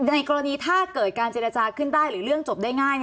ในกรณีถ้าเกิดการเจรจาขึ้นได้หรือเรื่องจบได้ง่าย